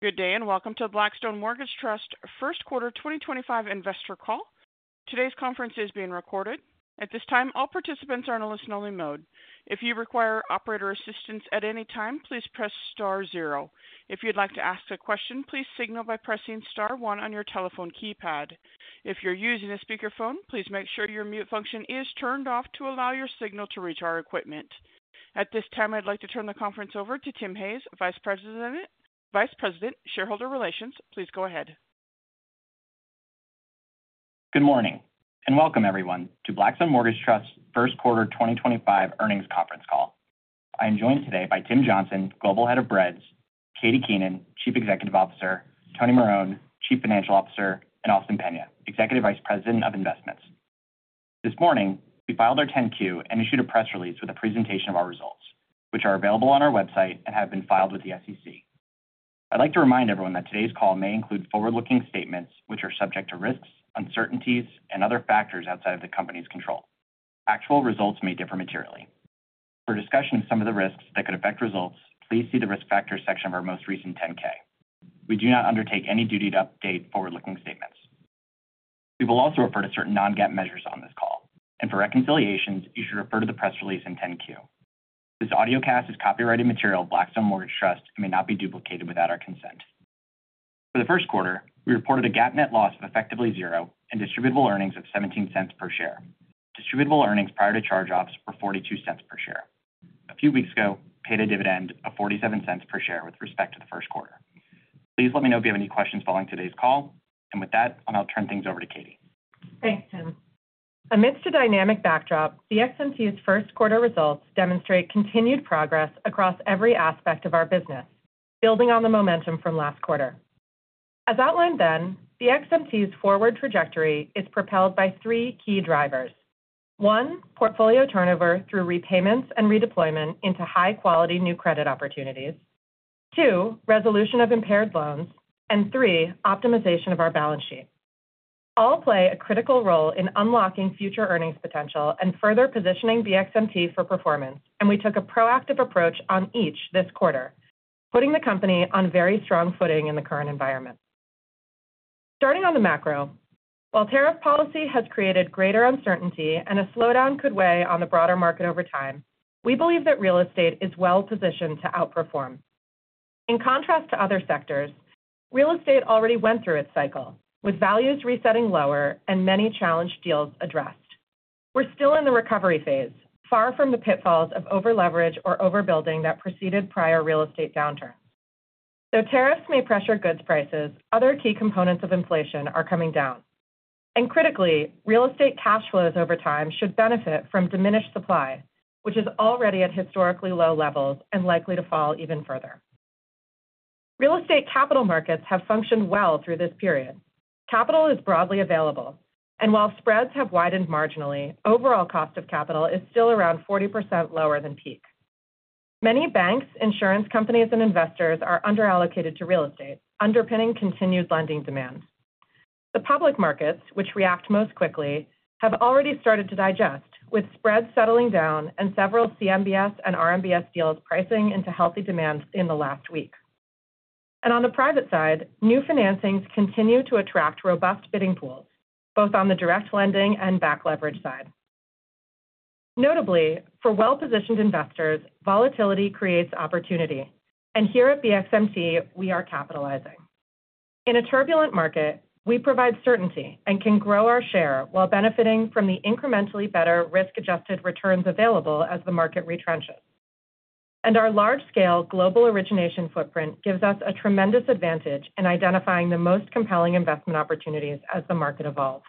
Good day and welcome to Blackstone Mortgage Trust first quarter 2025 investor call. Today's conference is being recorded. At this time, all participants are in a listen-only mode. If you require operator assistance at any time, please press star zero. If you'd like to ask a question, please signal by pressing star one on your telephone keypad. If you're using a speakerphone, please make sure your mute function is turned off to allow your signal to reach our equipment. At this time, I'd like to turn the conference over to Tim Hayes, Vice President, Shareholder Relations. Please go ahead. Good morning and welcome, everyone, to Blackstone Mortgage Trust First Quarter 2025 Earnings Conference Call. I am joined today by Tim Johnson, Global Head of BREDS; Katie Keenan, Chief Executive Officer; Tony Marone, Chief Financial Officer; and Austin Peña, Executive Vice President of Investments. This morning, we filed our 10-Q and issued a press release with a presentation of our results, which are available on our website and have been filed with the SEC. I'd like to remind everyone that today's call may include forward-looking statements, which are subject to risks, uncertainties, and other factors outside of the company's control. Actual results may differ materially. For discussion of some of the risks that could affect results, please see the risk factors section of our most recent 10-K. We do not undertake any duty to update forward-looking statements. We will also refer to certain non-GAAP measures on this call, and for reconciliations, you should refer to the press release and 10-Q. This audio cast is copyrighted material of Blackstone Mortgage Trust and may not be duplicated without our consent. For the first quarter, we reported a GAAP net loss of effectively zero and distributable earnings of $0.17 per share. Distributable earnings prior to charge-offs were $0.42 per share. A few weeks ago, we paid a dividend of $0.47 per share with respect to the first quarter. Please let me know if you have any questions following today's call, and with that, I'll now turn things over to Katie. Thanks, Tim. Amidst a dynamic backdrop, BXMT's first quarter results demonstrate continued progress across every aspect of our business, building on the momentum from last quarter. As outlined then, BXMT's forward trajectory is propelled by three key drivers: one, portfolio turnover through repayments and redeployment into high-quality new credit opportunities; two, resolution of impaired loans; and three, optimization of our balance sheet. All play a critical role in unlocking future earnings potential and further positioning BXMT for performance, and we took a proactive approach on each this quarter, putting the company on very strong footing in the current environment. Starting on the macro, while tariff policy has created greater uncertainty and a slowdown could weigh on the broader market over time, we believe that real estate is well-positioned to outperform. In contrast to other sectors, real estate already went through its cycle, with values resetting lower and many challenged deals addressed. We're still in the recovery phase, far from the pitfalls of over-leverage or overbuilding that preceded prior real estate downturns. Though tariffs may pressure goods prices, other key components of inflation are coming down. Critically, real estate cash flows over time should benefit from diminished supply, which is already at historically low levels and likely to fall even further. Real estate capital markets have functioned well through this period. Capital is broadly available, and while spreads have widened marginally, overall cost of capital is still around 40% lower than peak. Many banks, insurance companies, and investors are underallocated to real estate, underpinning continued lending demand. The public markets, which react most quickly, have already started to digest, with spreads settling down and several CMBS and RMBS deals pricing into healthy demand in the last week. On the private side, new financings continue to attract robust bidding pools, both on the direct lending and back-leverage side. Notably, for well-positioned investors, volatility creates opportunity, and here at BXMT, we are capitalizing. In a turbulent market, we provide certainty and can grow our share while benefiting from the incrementally better risk-adjusted returns available as the market retrenches. Our large-scale global origination footprint gives us a tremendous advantage in identifying the most compelling investment opportunities as the market evolves.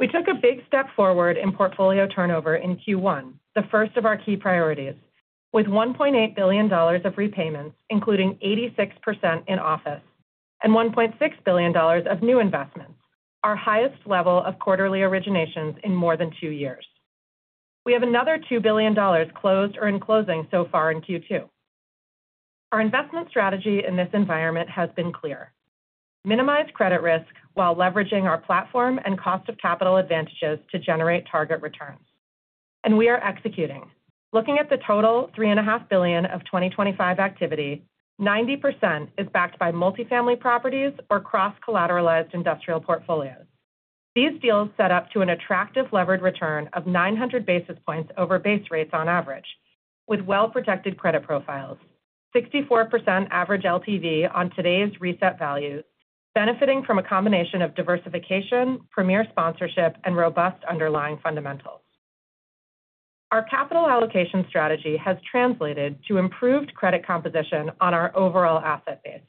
We took a big step forward in portfolio turnover in Q1, the first of our key priorities, with $1.8 billion of repayments, including 86% in office, and $1.6 billion of new investments, our highest level of quarterly originations in more than two years. We have another $2 billion closed or in closing so far in Q2. Our investment strategy in this environment has been clear: minimize credit risk while leveraging our platform and cost of capital advantages to generate target returns. We are executing. Looking at the total $3.5 billion of 2025 activity, 90% is backed by multifamily properties or cross-collateralized industrial portfolios. These deals set up to an attractive levered return of 900 basis points over base rates on average, with well-protected credit profiles, 64% average LTV on today's reset values, benefiting from a combination of diversification, premier sponsorship, and robust underlying fundamentals. Our capital allocation strategy has translated to improved credit composition on our overall asset base.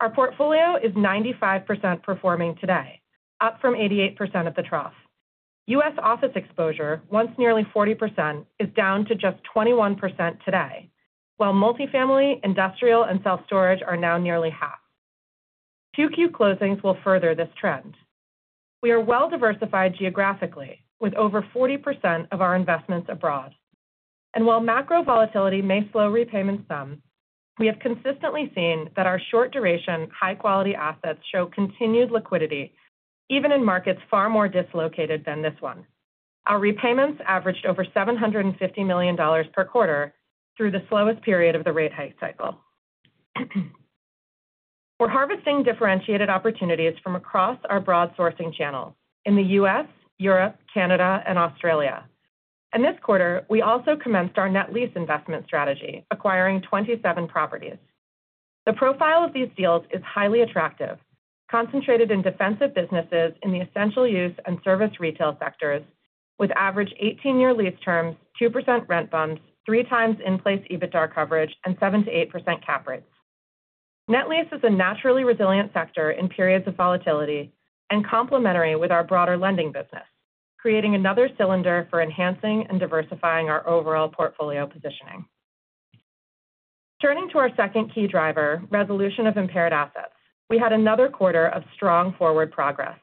Our portfolio is 95% performing today, up from 88% at the trough. U.S. office exposure, once nearly 40%, is down to just 21% today, while multifamily, industrial, and self-storage are now nearly half. 2Q closings will further this trend. We are well-diversified geographically, with over 40% of our investments abroad. While macro volatility may slow repayments some, we have consistently seen that our short-duration, high-quality assets show continued liquidity, even in markets far more dislocated than this one. Our repayments averaged over $750 million per quarter through the slowest period of the rate hike cycle. We're harvesting differentiated opportunities from across our broad sourcing channel in the U.S., Europe, Canada, and Australia. This quarter, we also commenced our net lease investment strategy, acquiring 27 properties. The profile of these deals is highly attractive, concentrated in defensive businesses in the essential use and service retail sectors, with average 18-year lease terms, 2% rent bumps, 3x in-place EBITDA coverage, and 7%-8% cap rates. Net lease is a naturally resilient sector in periods of volatility and complementary with our broader lending business, creating another cylinder for enhancing and diversifying our overall portfolio positioning. Turning to our second key driver, resolution of impaired assets, we had another quarter of strong forward progress.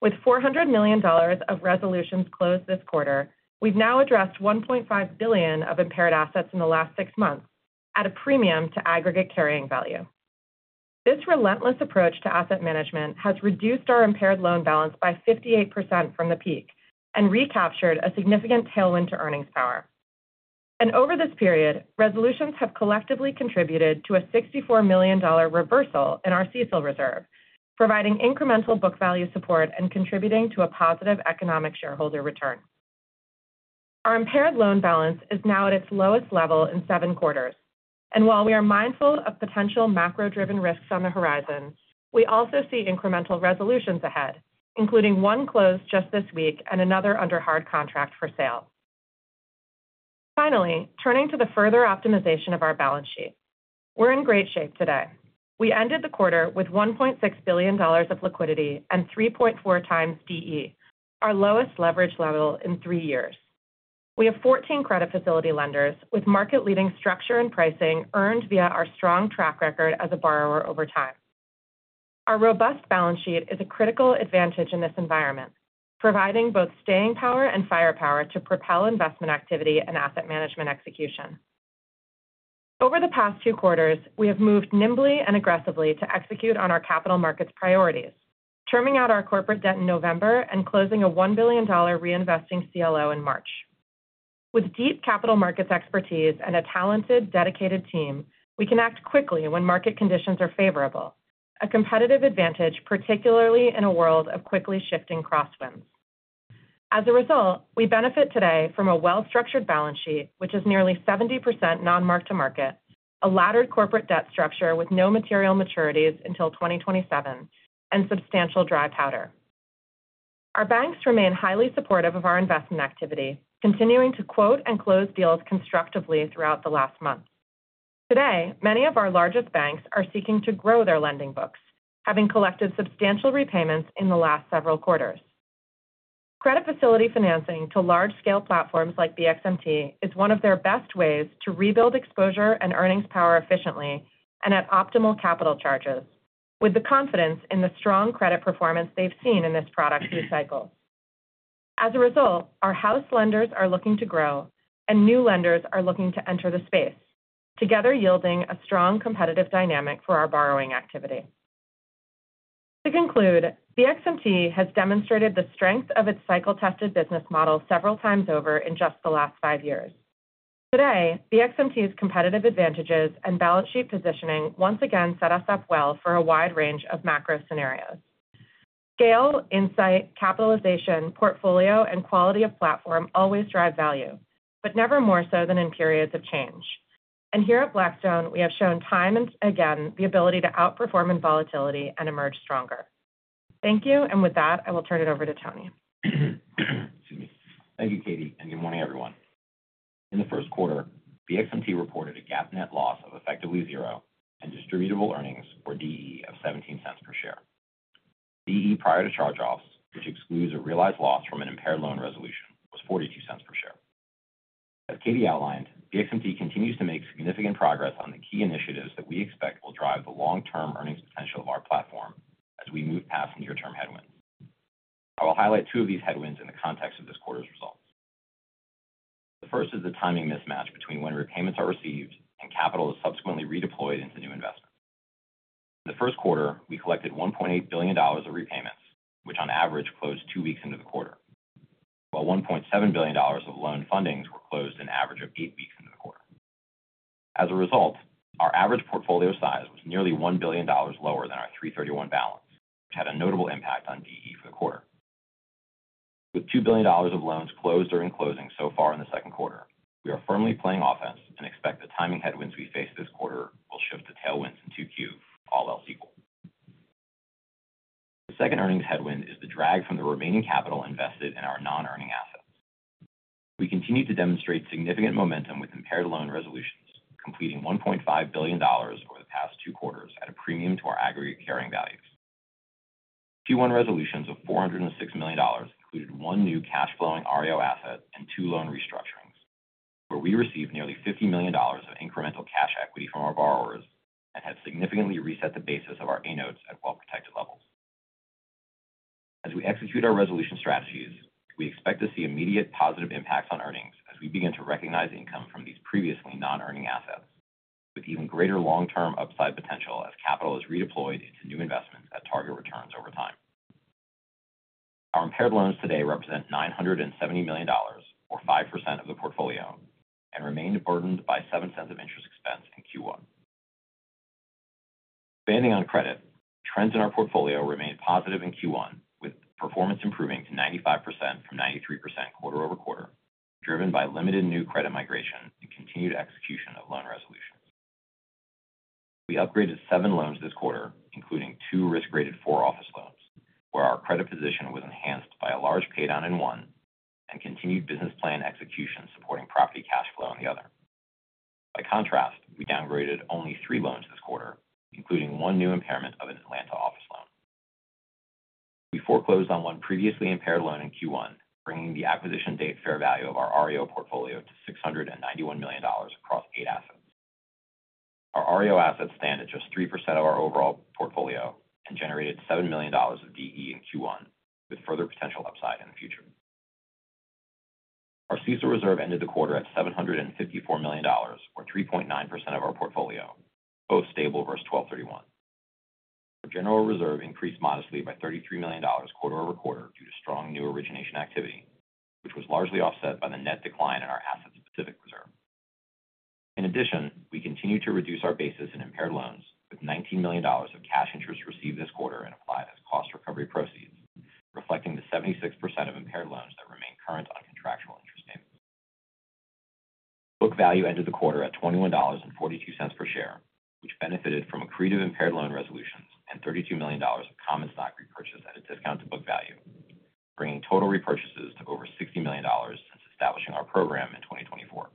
With $400 million of resolutions closed this quarter, we've now addressed $1.5 billion of impaired assets in the last six months at a premium to aggregate carrying value. This relentless approach to asset management has reduced our impaired loan balance by 58% from the peak and recaptured a significant tailwind to earnings power. Over this period, resolutions have collectively contributed to a $64 million reversal in our CECL reserve, providing incremental book value support and contributing to a positive economic shareholder return. Our impaired loan balance is now at its lowest level in seven quarters. While we are mindful of potential macro-driven risks on the horizon, we also see incremental resolutions ahead, including one closed just this week and another under hard contract for sale. Finally, turning to the further optimization of our balance sheet, we're in great shape today. We ended the quarter with $1.6 billion of liquidity and 3.4x D/E, our lowest leverage level in three years. We have 14 credit facility lenders with market-leading structure and pricing earned via our strong track record as a borrower over time. Our robust balance sheet is a critical advantage in this environment, providing both staying power and firepower to propel investment activity and asset management execution. Over the past two quarters, we have moved nimbly and aggressively to execute on our capital markets priorities, trimming out our corporate debt in November and closing a $1 billion reinvesting CLO in March. With deep capital markets expertise and a talented, dedicated team, we can act quickly when market conditions are favorable, a competitive advantage, particularly in a world of quickly shifting crosswinds. As a result, we benefit today from a well-structured balance sheet, which is nearly 70% non-mark to market, a laddered corporate debt structure with no material maturities until 2027, and substantial dry powder. Our banks remain highly supportive of our investment activity, continuing to quote and close deals constructively throughout the last month. Today, many of our largest banks are seeking to grow their lending books, having collected substantial repayments in the last several quarters. Credit facility financing to large-scale platforms like BXMT is one of their best ways to rebuild exposure and earnings power efficiently and at optimal capital charges, with the confidence in the strong credit performance they've seen in this product through cycles. As a result, our house lenders are looking to grow, and new lenders are looking to enter the space, together yielding a strong competitive dynamic for our borrowing activity. To conclude, BXMT has demonstrated the strength of its cycle-tested business model several times over in just the last five years. Today, BXMT's competitive advantages and balance sheet positioning once again set us up well for a wide range of macro scenarios. Scale, insight, capitalization, portfolio, and quality of platform always drive value, but never more so than in periods of change. Here at Blackstone, we have shown time and again the ability to outperform in volatility and emerge stronger. Thank you, and with that, I will turn it over to Tony. Thank you, Katie, and good morning, everyone. In the first quarter, BXMT reported a GAAP net loss of effectively zero and distributable earnings, or DE, of $0.17 per share. DE prior to charge-offs, which excludes a realized loss from an impaired loan resolution, was $0.42 per share. As Katie outlined, BXMT continues to make significant progress on the key initiatives that we expect will drive the long-term earnings potential of our platform as we move past near-term headwinds. I will highlight two of these headwinds in the context of this quarter's results. The first is the timing mismatch between when repayments are received and capital is subsequently redeployed into new investments. In the first quarter, we collected $1.8 billion of repayments, which on average closed two weeks into the quarter, while $1.7 billion of loan fundings were closed an average of eight weeks into the quarter. As a result, our average portfolio size was nearly $1 billion lower than our March 31 balance, which had a notable impact on DE for the quarter. With $2 billion of loans closed or in closing so far in the second quarter, we are firmly playing offense and expect the timing headwinds we face this quarter will shift to tailwinds in Q2, all else equal. The second earnings headwind is the drag from the remaining capital invested in our non-earning assets. We continue to demonstrate significant momentum with impaired loan resolutions, completing $1.5 billion over the past two quarters at a premium to our aggregate carrying values. Q1 resolutions of $406 million included one new cash-flowing REO asset and two loan restructurings, where we received nearly $50 million of incremental cash equity from our borrowers and have significantly reset the basis of our loans at well-protected levels. As we execute our resolution strategies, we expect to see immediate positive impacts on earnings as we begin to recognize income from these previously non-earning assets, with even greater long-term upside potential as capital is redeployed into new investments at target returns over time. Our impaired loans today represent $970 million, or 5% of the portfolio, and remained burdened by $0.07 of interest expense in Q1. Expanding on credit, trends in our portfolio remained positive in Q1, with performance improving to 95% from 93% quarter-over-quarter, driven by limited new credit migration and continued execution of loan resolutions. We upgraded seven loans this quarter, including two risk-rated four office loans, where our credit position was enhanced by a large paydown in one and continued business plan execution supporting property cash flow in the other. By contrast, we downgraded only three loans this quarter, including one new impairment of an Atlanta office loan. We foreclosed on one previously impaired loan in Q1, bringing the acquisition date fair value of our REO portfolio to $691 million across eight assets. Our REO assets stand at just 3% of our overall portfolio and generated $7 million of DE in Q1, with further potential upside in the future. Our CECL reserve ended the quarter at $754 million, or 3.9% of our portfolio, both stable versus December 31. Our general reserve increased modestly by $33 million quarter-over-quarter due to strong new origination activity, which was largely offset by the net decline in our asset-specific reserve. In addition, we continue to reduce our basis in impaired loans, with $19 million of cash interest received this quarter and applied as cost recovery proceeds, reflecting the 76% of impaired loans that remain current on contractual interest payments. Book value ended the quarter at $21.42 per share, which benefited from accretive impaired loan resolutions and $32 million of common stock repurchase at a discount to book value, bringing total repurchases to over $60 million since establishing our program in 2024.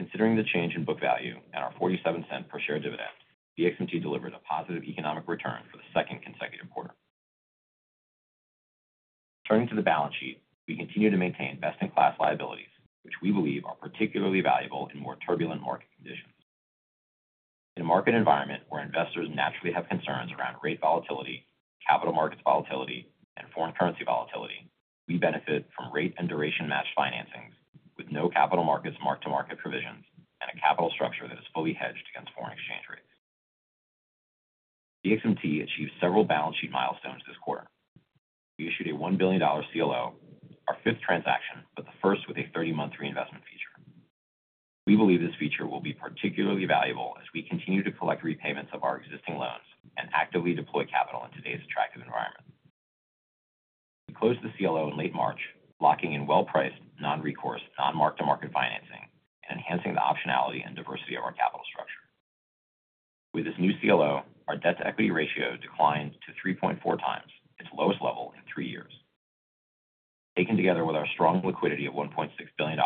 Considering the change in book value and our $0.47 per share dividend, BXMT delivered a positive economic return for the second consecutive quarter. Turning to the balance sheet, we continue to maintain best-in-class liabilities, which we believe are particularly valuable in more turbulent market conditions. In a market environment where investors naturally have concerns around rate volatility, capital markets volatility, and foreign currency volatility, we benefit from rate and duration matched financings, with no capital markets mark to market provisions and a capital structure that is fully hedged against foreign exchange rates. BXMT achieved several balance sheet milestones this quarter. We issued a $1 billion CLO, our fifth transaction, but the first with a 30-month reinvestment feature. We believe this feature will be particularly valuable as we continue to collect repayments of our existing loans and actively deploy capital in today's attractive environment. We closed the CLO in late March, locking in well-priced, non-recourse, non-mark to market financing, and enhancing the optionality and diversity of our capital structure. With this new CLO, our debt-to-equity ratio declined to 3.4x its lowest level in three years. Taken together with our strong liquidity of $1.6 billion,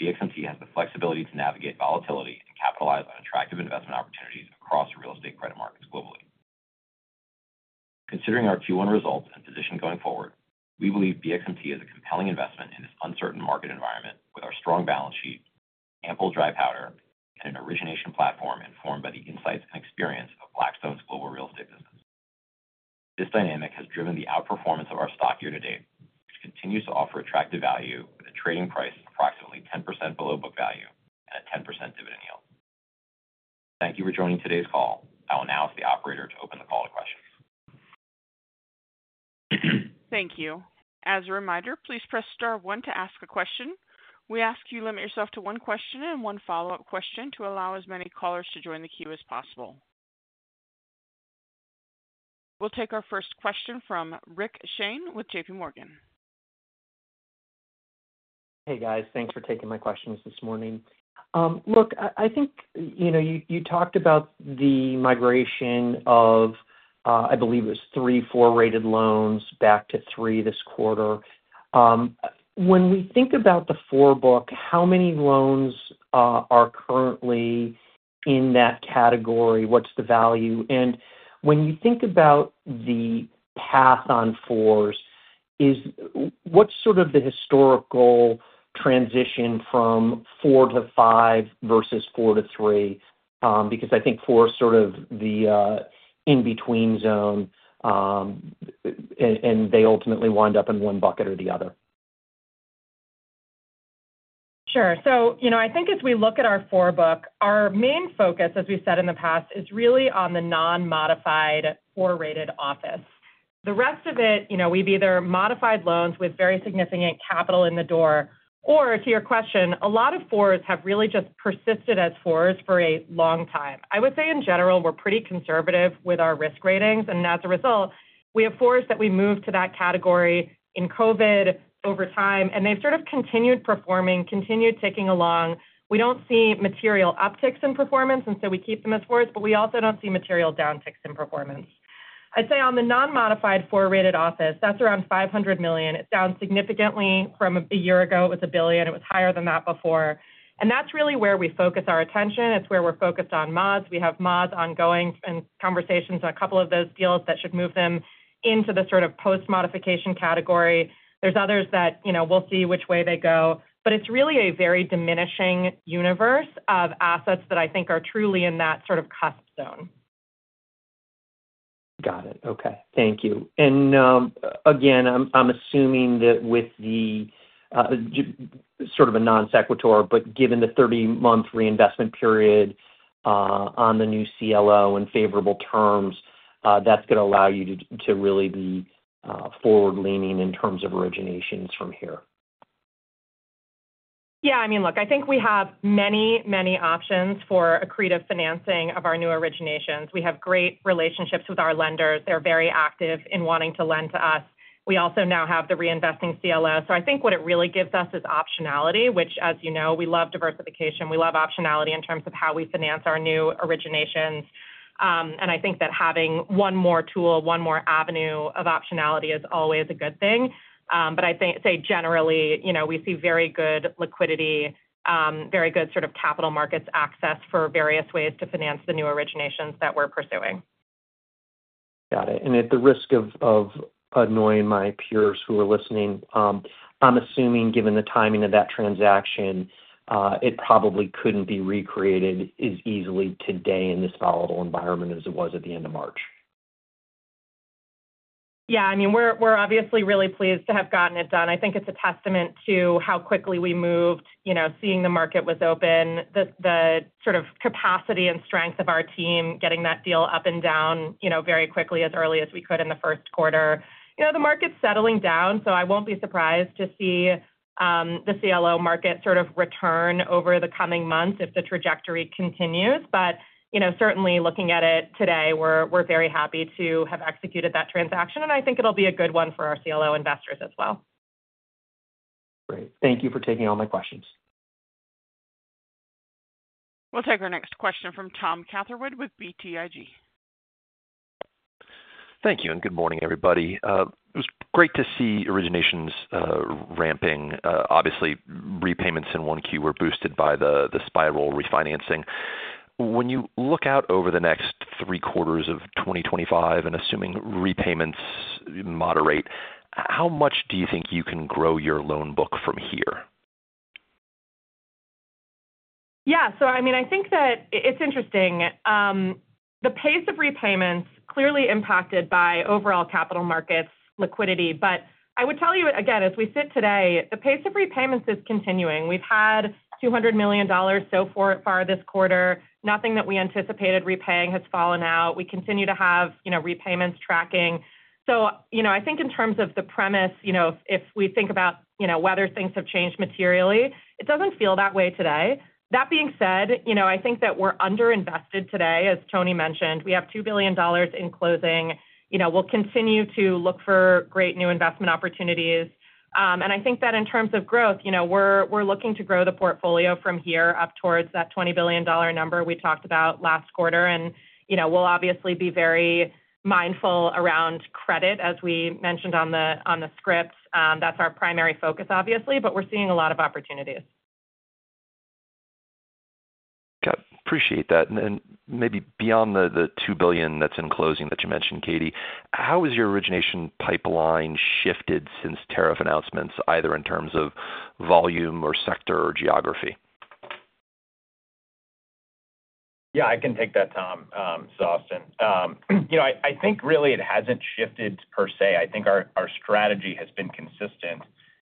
BXMT has the flexibility to navigate volatility and capitalize on attractive investment opportunities across real estate credit markets globally. Considering our Q1 results and position going forward, we believe BXMT is a compelling investment in this uncertain market environment with our strong balance sheet, ample dry powder, and an origination platform informed by the insights and experience of Blackstone's global real estate business. This dynamic has driven the outperformance of our stock year to date, which continues to offer attractive value with a trading price approximately 10% below book value and a 10% dividend yield. Thank you for joining today's call. I will now ask the operator to open the call to questions. Thank you. As a reminder, please press star one to ask a question. We ask you to limit yourself to one question and one follow-up question to allow as many callers to join the queue as possible. We'll take our first question from Rick Shane with JPMorgan. Hey, guys. Thanks for taking my questions this morning. Look, I think you talked about the migration of, I believe it was three, four-rated loans back to three this quarter. When we think about the four book, how many loans are currently in that category? What's the value? And when you think about the path on fours, what's sort of the historical transition from four to five versus four to three? Because I think four is sort of the in-between zone, and they ultimately wind up in one bucket or the other. Sure. I think as we look at our four book, our main focus, as we've said in the past, is really on the non-modified four-rated office. The rest of it, we've either modified loans with very significant capital in the door, or to your question, a lot of fours have really just persisted as fours for a long time. I would say in general, we're pretty conservative with our risk ratings. As a result, we have fours that we moved to that category in COVID over time, and they've sort of continued performing, continued ticking along. We don't see material upticks in performance, and so we keep them as fours, but we also don't see material downticks in performance. I'd say on the non-modified four-rated office, that's around $500 million. It's down significantly from a year ago. It was $1 billion. It was higher than that before. That is really where we focus our attention. It is where we are focused on mods. We have mods ongoing and conversations on a couple of those deals that should move them into the sort of post-modification category. There are others that we will see which way they go. It is really a very diminishing universe of assets that I think are truly in that sort of cusp zone. Got it. Okay. Thank you. I'm assuming that with the sort of a non-sequitur, but given the 30-month reinvestment period on the new CLO and favorable terms, that's going to allow you to really be forward-leaning in terms of originations from here. Yeah. I mean, look, I think we have many, many options for accretive financing of our new originations. We have great relationships with our lenders. They're very active in wanting to lend to us. We also now have the reinvesting CLO. I think what it really gives us is optionality, which, as you know, we love diversification. We love optionality in terms of how we finance our new originations. I think that having one more tool, one more avenue of optionality is always a good thing. I'd say generally, we see very good liquidity, very good sort of capital markets access for various ways to finance the new originations that we're pursuing. Got it. At the risk of annoying my peers who are listening, I'm assuming given the timing of that transaction, it probably couldn't be recreated as easily today in this volatile environment as it was at the end of March. Yeah. I mean, we're obviously really pleased to have gotten it done. I think it's a testament to how quickly we moved, seeing the market was open, the sort of capacity and strength of our team getting that deal up and down very quickly as early as we could in the first quarter. The market's settling down, so I won't be surprised to see the CLO market sort of return over the coming months if the trajectory continues. Certainly, looking at it today, we're very happy to have executed that transaction. I think it'll be a good one for our CLO investors as well. Great. Thank you for taking all my questions. We'll take our next question from Tom Catherwood with BTIG. Thank you and good morning, everybody. It was great to see originations ramping. Obviously, repayments in 1Q were boosted by the Spiral refinancing. When you look out over the next three quarters of 2025 and assuming repayments moderate, how much do you think you can grow your loan book from here? Yeah. I mean, I think that it's interesting. The pace of repayments clearly impacted by overall capital markets, liquidity. I would tell you again, as we sit today, the pace of repayments is continuing. We've had $200 million so far this quarter. Nothing that we anticipated repaying has fallen out. We continue to have repayments tracking. I think in terms of the premise, if we think about whether things have changed materially, it doesn't feel that way today. That being said, I think that we're underinvested today, as Tony mentioned. We have $2 billion in closing. We'll continue to look for great new investment opportunities. I think that in terms of growth, we're looking to grow the portfolio from here up towards that $20 billion number we talked about last quarter. We'll obviously be very mindful around credit, as we mentioned on the script. That's our primary focus, obviously, but we're seeing a lot of opportunities. Got it. Appreciate that. Maybe beyond the $2 billion that's in closing that you mentioned, Katie, how has your origination pipeline shifted since tariff announcements, either in terms of volume or sector or geography? Yeah. I can take that, Tom, this is Austin. I think really it hasn't shifted per se. I think our strategy has been consistent.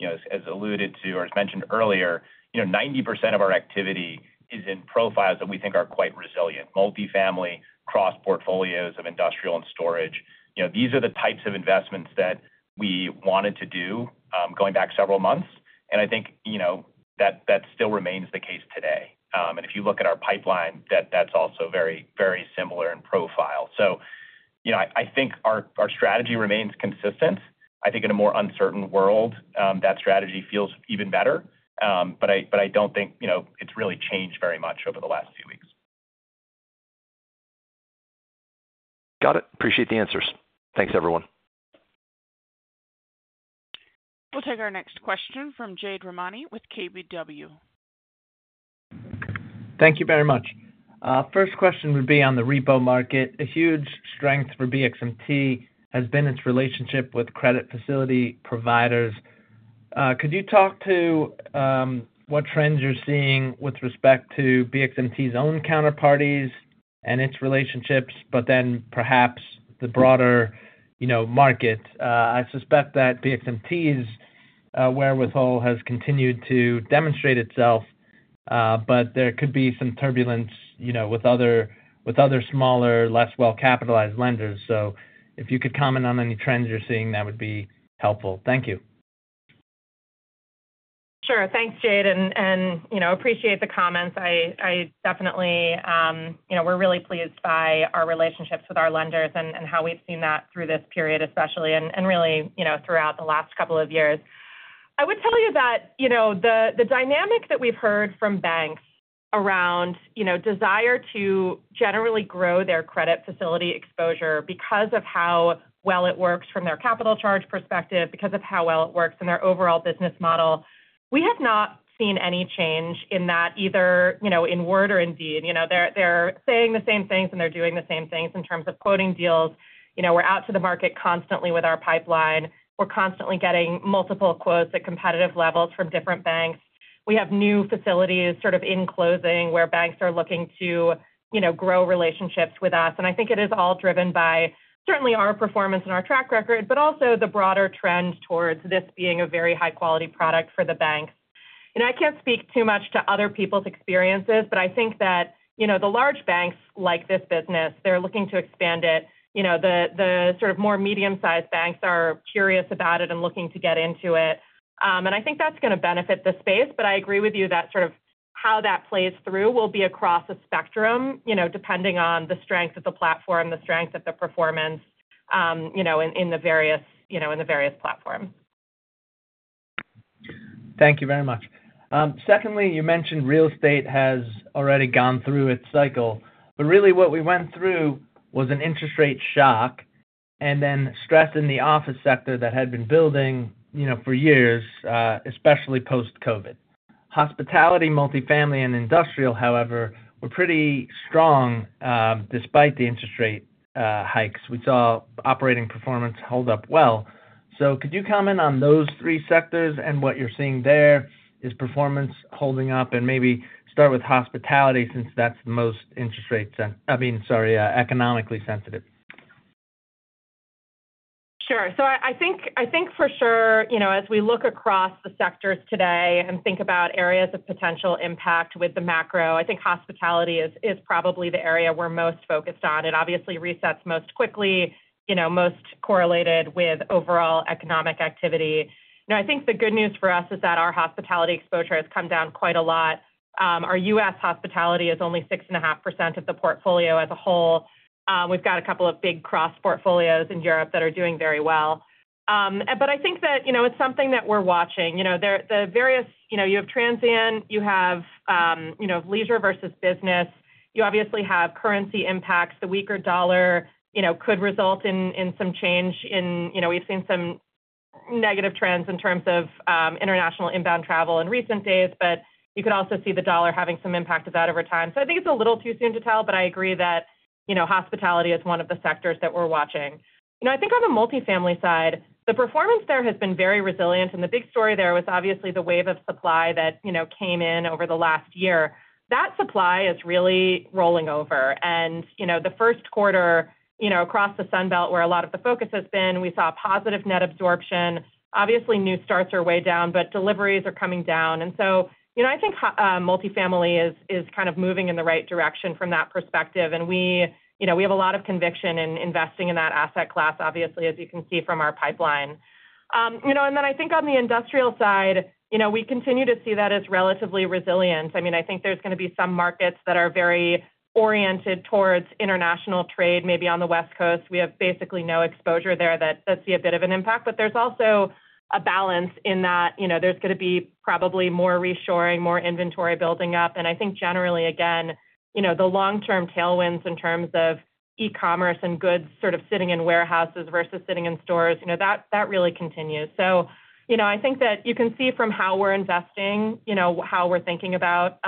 As alluded to or as mentioned earlier, 90% of our activity is in profiles that we think are quite resilient: multifamily, cross portfolios of industrial and storage. These are the types of investments that we wanted to do going back several months. I think that still remains the case today. If you look at our pipeline, that's also very, very similar in profile. I think our strategy remains consistent. I think in a more uncertain world, that strategy feels even better. I don't think it's really changed very much over the last few weeks. Got it. Appreciate the answers. Thanks, everyone. We'll take our next question from Jade Rahmani with KBW. Thank you very much. First question would be on the repo market. A huge strength for BXMT has been its relationship with credit facility providers. Could you talk to what trends you're seeing with respect to BXMT's own counterparties and its relationships, but then perhaps the broader market? I suspect that BXMT's wherewithal has continued to demonstrate itself, but there could be some turbulence with other smaller, less well-capitalized lenders. If you could comment on any trends you're seeing, that would be helpful. Thank you. Sure. Thanks, Jade. I appreciate the comments. I definitely—we're really pleased by our relationships with our lenders and how we've seen that through this period, especially, and really throughout the last couple of years. I would tell you that the dynamic that we've heard from banks around desire to generally grow their credit facility exposure because of how well it works from their capital charge perspective, because of how well it works in their overall business model, we have not seen any change in that, either in word or in deed. They're saying the same things, and they're doing the same things in terms of quoting deals. We're out to the market constantly with our pipeline. We're constantly getting multiple quotes at competitive levels from different banks. We have new facilities sort of in closing where banks are looking to grow relationships with us. I think it is all driven by certainly our performance and our track record, but also the broader trend towards this being a very high-quality product for the banks. I can't speak too much to other people's experiences, but I think that the large banks like this business, they're looking to expand it. The sort of more medium-sized banks are curious about it and looking to get into it. I think that's going to benefit the space. I agree with you that sort of how that plays through will be across a spectrum, depending on the strength of the platform, the strength of the performance in the various platforms. Thank you very much. Secondly, you mentioned real estate has already gone through its cycle. What we went through was an interest rate shock and then stress in the office sector that had been building for years, especially post-COVID. Hospitality, multifamily, and industrial, however, were pretty strong despite the interest rate hikes. We saw operating performance hold up well. Could you comment on those three sectors and what you are seeing there? Is performance holding up? Maybe start with hospitality since that is the most interest rate—I mean, sorry, economically sensitive. Sure. I think for sure, as we look across the sectors today and think about areas of potential impact with the macro, I think hospitality is probably the area we're most focused on. It obviously resets most quickly, most correlated with overall economic activity. I think the good news for us is that our U.S. hospitality exposure has come down quite a lot. Our U.S. hospitality is only 6.5% of the portfolio as a whole. We've got a couple of big cross portfolios in Europe that are doing very well. I think that it's something that we're watching. The various—you have transient, you have leisure versus business. You obviously have currency impacts. The weaker dollar could result in some change. We've seen some negative trends in terms of international inbound travel in recent days, but you could also see the dollar having some impact of that over time. I think it's a little too soon to tell, but I agree that hospitality is one of the sectors that we're watching. I think on the multifamily side, the performance there has been very resilient. The big story there was obviously the wave of supply that came in over the last year. That supply is really rolling over. The first quarter across the Sun Belt where a lot of the focus has been, we saw positive net absorption. Obviously, new starts are way down, but deliveries are coming down. I think multifamily is kind of moving in the right direction from that perspective. We have a lot of conviction in investing in that asset class, obviously, as you can see from our pipeline. I think on the industrial side, we continue to see that as relatively resilient. I mean, I think there's going to be some markets that are very oriented towards international trade, maybe on the West Coast. We have basically no exposure there that see a bit of an impact. There is also a balance in that there's going to be probably more reshoring, more inventory building up. I think generally, again, the long-term tailwinds in terms of e-commerce and goods sort of sitting in warehouses versus sitting in stores, that really continues. I think that you can see from how we're investing, how we're thinking about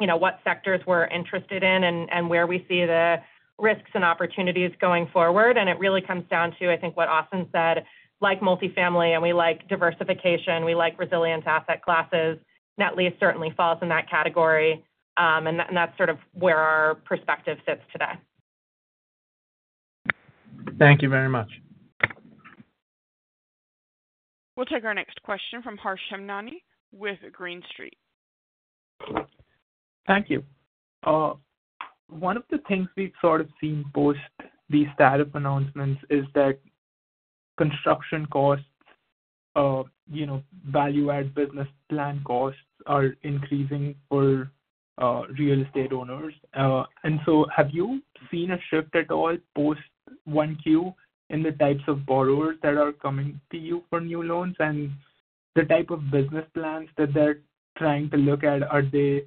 what sectors we're interested in and where we see the risks and opportunities going forward. It really comes down to, I think, what Austin said. Like multifamily, and we like diversification, we like resilient asset classes. Net lease certainly falls in that category. That is sort of where our perspective sits today. Thank you very much. We'll take our next question from Harsh Hemnani with Green Street. Thank you. One of the things we've sort of seen post these tariff announcements is that construction costs, value-add business plan costs are increasing for real estate owners. Have you seen a shift at all post Q1 in the types of borrowers that are coming to you for new loans and the type of business plans that they're trying to look at? Are they,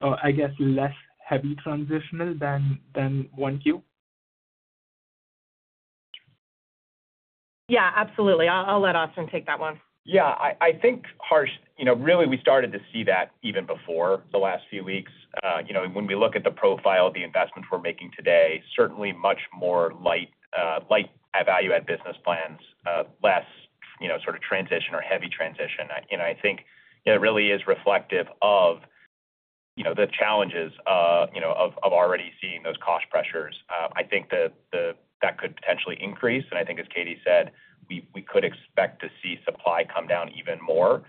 I guess, less heavy transitional than Q1? Yeah. Absolutely. I'll let Austin take that one. Yeah. I think, Harsh, really, we started to see that even before the last few weeks. When we look at the profile of the investments we're making today, certainly much more light value-add business plans, less sort of transition or heavy transition. I think it really is reflective of the challenges of already seeing those cost pressures. I think that could potentially increase. I think, as Katie said, we could expect to see supply come down even more.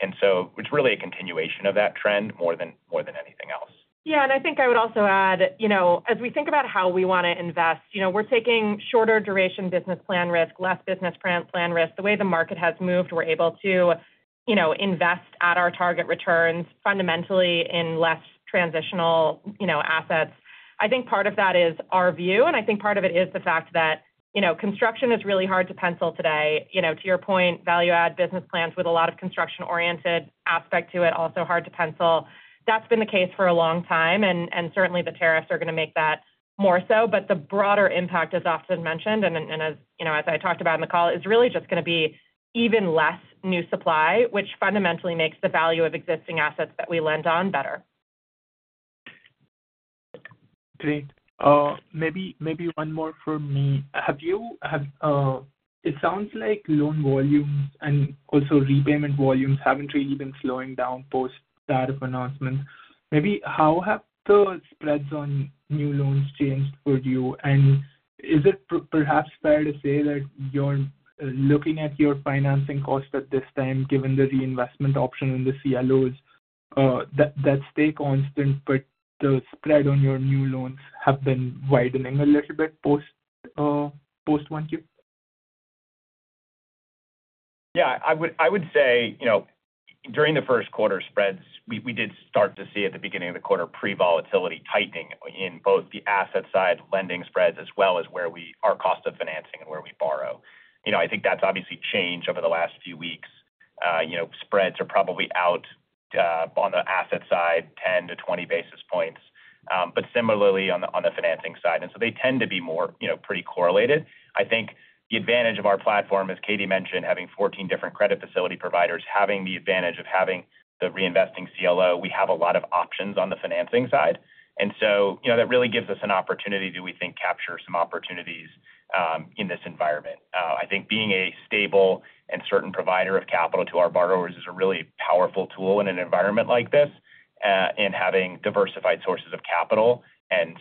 It is really a continuation of that trend more than anything else. Yeah. I think I would also add, as we think about how we want to invest, we're taking shorter duration business plan risk, less business plan risk. The way the market has moved, we're able to invest at our target returns fundamentally in less transitional assets. I think part of that is our view. I think part of it is the fact that construction is really hard to pencil today. To your point, value-add business plans with a lot of construction-oriented aspect to it, also hard to pencil. That's been the case for a long time. Certainly, the tariffs are going to make that more so. The broader impact, as Austin mentioned and as I talked about in the call, is really just going to be even less new supply, which fundamentally makes the value of existing assets that we lend on better. Katie, maybe one more for me. It sounds like loan volumes and also repayment volumes have not really been slowing down post-tariff announcements. Maybe how have the spreads on new loans changed for you? Is it perhaps fair to say that you are looking at your financing cost at this time, given the reinvestment option in the CLOs, that stay constant, but the spread on your new loans have been widening a little bit post-1Q? Yeah. I would say during the first quarter spreads, we did start to see at the beginning of the quarter pre-volatility tightening in both the asset-side lending spreads as well as our cost of financing and where we borrow. I think that's obviously changed over the last few weeks. Spreads are probably out on the asset side 10 basis points-20 basis points, but similarly on the financing side. They tend to be more pretty correlated. I think the advantage of our platform, as Katie mentioned, having 14 different credit facility providers, having the advantage of having the reinvesting CLO, we have a lot of options on the financing side. That really gives us an opportunity to, we think, capture some opportunities in this environment. I think being a stable and certain provider of capital to our borrowers is a really powerful tool in an environment like this. Having diversified sources of capital and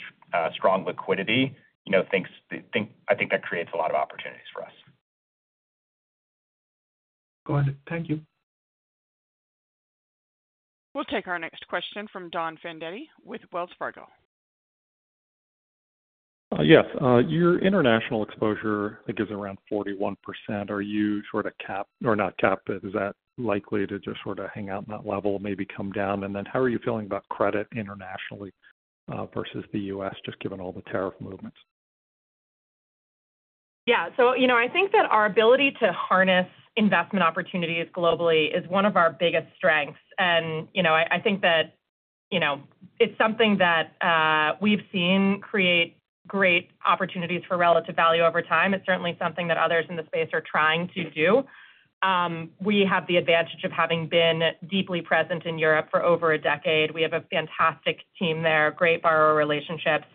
strong liquidity, I think that creates a lot of opportunities for us. Go ahead. Thank you. We'll take our next question from Don Fandetti with Wells Fargo. Yes. Your international exposure, I think, is around 41%. Are you sort of cap or not capped? Is that likely to just sort of hang out in that level, maybe come down? How are you feeling about credit internationally versus the U.S., just given all the tariff movements? Yeah. I think that our ability to harness investment opportunities globally is one of our biggest strengths. I think that it's something that we've seen create great opportunities for relative value over time. It's certainly something that others in the space are trying to do. We have the advantage of having been deeply present in Europe for over a decade. We have a fantastic team there, great borrower relationships.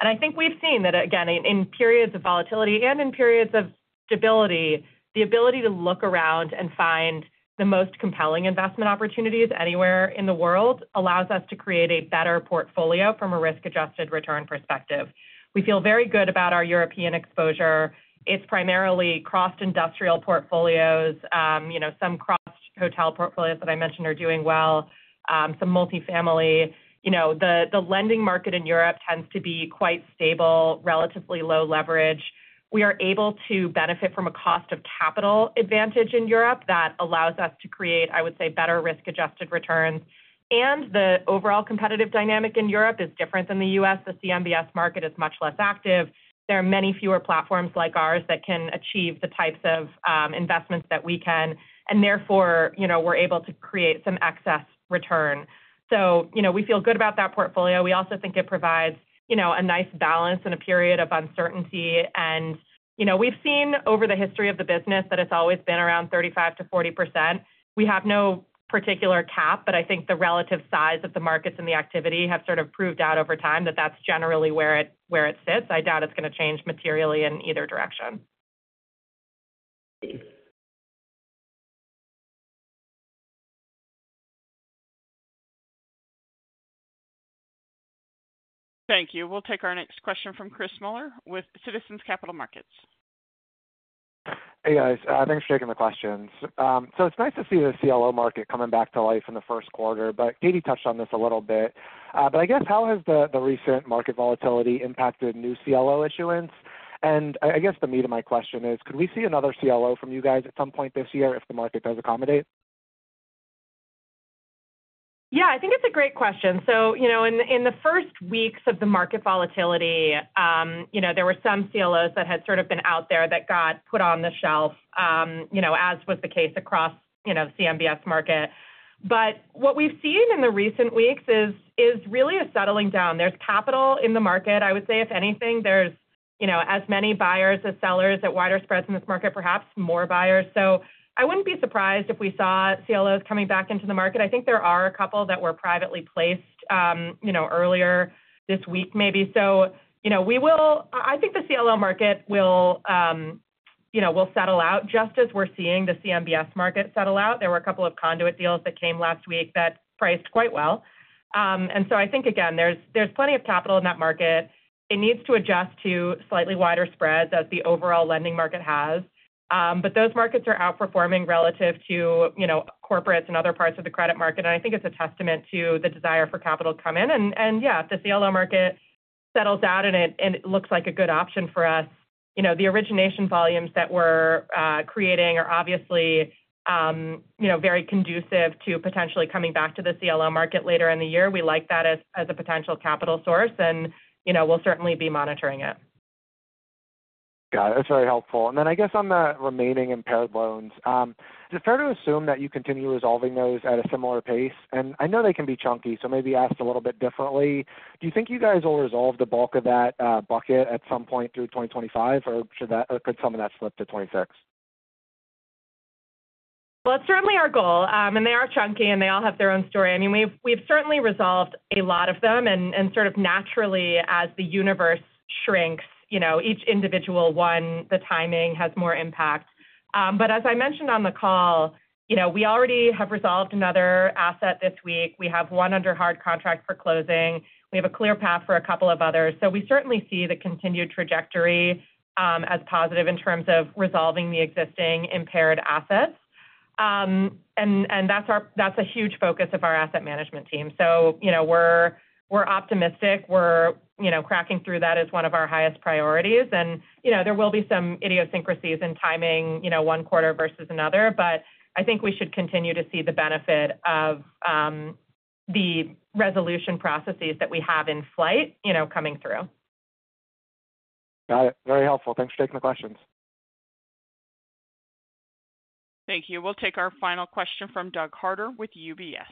I think we've seen that, again, in periods of volatility and in periods of stability, the ability to look around and find the most compelling investment opportunities anywhere in the world allows us to create a better portfolio from a risk-adjusted return perspective. We feel very good about our European exposure. It's primarily cross-industrial portfolios. Some cross-hotel portfolios that I mentioned are doing well, some multifamily. The lending market in Europe tends to be quite stable, relatively low leverage. We are able to benefit from a cost of capital advantage in Europe that allows us to create, I would say, better risk-adjusted returns. The overall competitive dynamic in Europe is different than the U.S. The CMBS market is much less active. There are many fewer platforms like ours that can achieve the types of investments that we can. Therefore, we're able to create some excess return. We feel good about that portfolio. We also think it provides a nice balance in a period of uncertainty. We've seen over the history of the business that it's always been around 35%-40%. We have no particular cap, but I think the relative size of the markets and the activity have sort of proved out over time that that's generally where it sits. I doubt it's going to change materially in either direction. Thank you. We'll take our next question from Chris Muller with Citizens Capital Markets. Hey, guys. Thanks for taking the questions. It's nice to see the CLO market coming back to life in the first quarter. Katie touched on this a little bit. I guess, how has the recent market volatility impacted new CLO issuance? I guess the meat of my question is, could we see another CLO from you guys at some point this year if the market does accommodate? Yeah. I think it's a great question. In the first weeks of the market volatility, there were some CLOs that had sort of been out there that got put on the shelf, as was the case across the CMBS market. What we've seen in the recent weeks is really a settling down. There's capital in the market. I would say, if anything, there's as many buyers as sellers at wider spreads in this market, perhaps more buyers. I wouldn't be surprised if we saw CLOs coming back into the market. I think there are a couple that were privately placed earlier this week, maybe. I think the CLO market will settle out just as we're seeing the CMBS market settle out. There were a couple of conduit deals that came last week that priced quite well. I think, again, there's plenty of capital in that market. It needs to adjust to slightly wider spreads as the overall lending market has. Those markets are outperforming relative to corporates and other parts of the credit market. I think it's a testament to the desire for capital to come in. Yeah, if the CLO market settles out and it looks like a good option for us, the origination volumes that we're creating are obviously very conducive to potentially coming back to the CLO market later in the year. We like that as a potential capital source. We'll certainly be monitoring it. Got it. That's very helpful. I guess on the remaining impaired loans, is it fair to assume that you continue resolving those at a similar pace? I know they can be chunky, so maybe asked a little bit differently. Do you think you guys will resolve the bulk of that bucket at some point through 2025, or could some of that slip to 2026? That is certainly our goal. They are chunky, and they all have their own story. I mean, we have certainly resolved a lot of them. Sort of naturally, as the universe shrinks, each individual one, the timing has more impact. As I mentioned on the call, we already have resolved another asset this week. We have one under hard contract for closing. We have a clear path for a couple of others. We certainly see the continued trajectory as positive in terms of resolving the existing impaired assets. That is a huge focus of our asset management team. We are optimistic. We are cracking through that as one of our highest priorities. There will be some idiosyncrasies in timing one quarter versus another. I think we should continue to see the benefit of the resolution processes that we have in flight coming through. Got it. Very helpful. Thanks for taking the questions. Thank you. We'll take our final question from Doug Harter with UBS.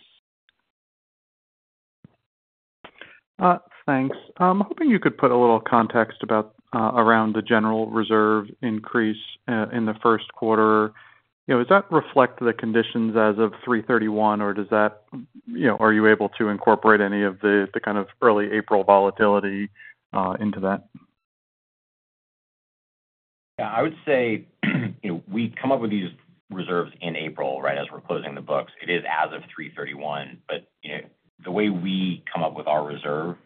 Thanks. I'm hoping you could put a little context around the general reserve increase in the first quarter. Does that reflect the conditions as of March 31, or are you able to incorporate any of the kind of early April volatility into that? Yeah. I would say we come up with these reserves in April, right, as we're closing the books. It is as of March 31. The way we come up with our reserve,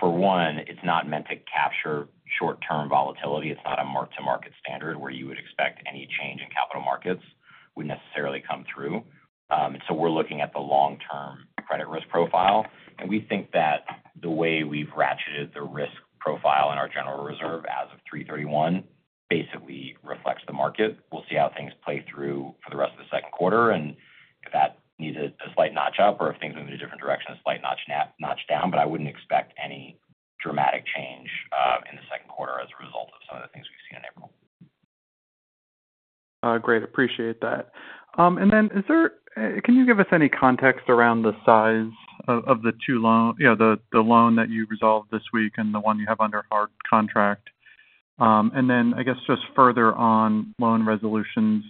for one, it's not meant to capture short-term volatility. It's not a mark-to-market standard where you would expect any change in capital markets would necessarily come through. We are looking at the long-term credit risk profile. We think that the way we've ratcheted the risk profile in our general reserve as of March 31 basically reflects the market. We'll see how things play through for the rest of the second quarter and if that needs a slight notch up or if things move in a different direction, a slight notch down. I wouldn't expect any dramatic change in the second quarter as a result of some of the things we've seen in April. Great. Appreciate that. Can you give us any context around the size of the two loans? Yeah, the loan that you resolved this week and the one you have under hard contract. I guess, just further on loan resolutions,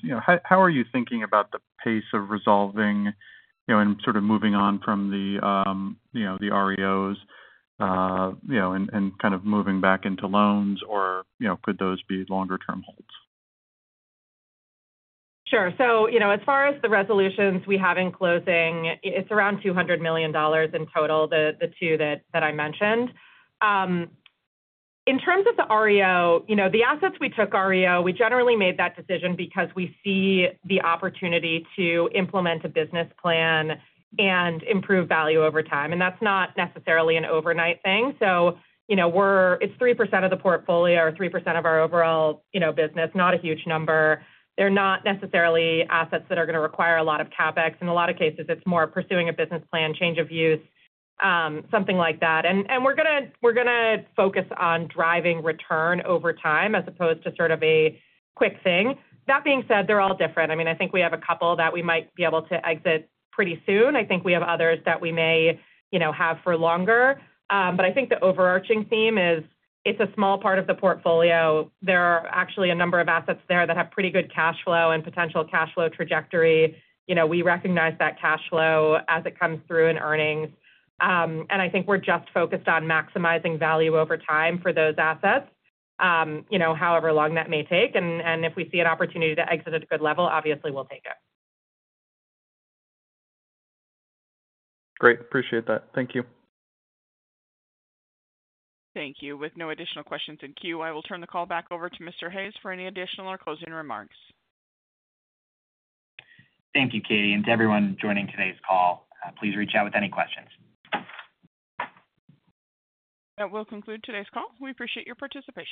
how are you thinking about the pace of resolving and sort of moving on from the REOs and kind of moving back into loans, or could those be longer-term holds? Sure. As far as the resolutions we have in closing, it's around $200 million in total, the two that I mentioned. In terms of the REO, the assets we took REO, we generally made that decision because we see the opportunity to implement a business plan and improve value over time. That's not necessarily an overnight thing. It's 3% of the portfolio or 3% of our overall business, not a huge number. They're not necessarily assets that are going to require a lot of CapEx. In a lot of cases, it's more pursuing a business plan, change of use, something like that. We're going to focus on driving return over time as opposed to sort of a quick thing. That being said, they're all different. I mean, I think we have a couple that we might be able to exit pretty soon. I think we have others that we may have for longer. I think the overarching theme is it's a small part of the portfolio. There are actually a number of assets there that have pretty good cash flow and potential cash flow trajectory. We recognize that cash flow as it comes through in earnings. I think we're just focused on maximizing value over time for those assets, however long that may take. If we see an opportunity to exit at a good level, obviously, we'll take it. Great. Appreciate that. Thank you. Thank you. With no additional questions in queue, I will turn the call back over to Mr. Hayes for any additional or closing remarks. Thank you, Katie, and to everyone joining today's call. Please reach out with any questions. That will conclude today's call. We appreciate your participation.